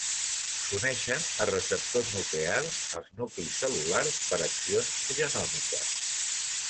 S'uneixen a receptors nuclears als nuclis cel·lulars per accions genòmiques.